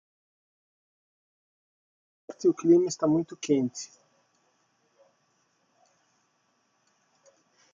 O sol está forte e o clima está muito quente